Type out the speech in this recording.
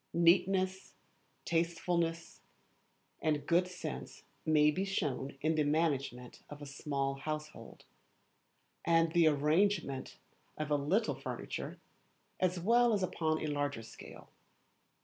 Neatness, tastefulness, and good sense may be shown in the management of a small household, and the arrangement of a little furniture, as well as upon a larger scale.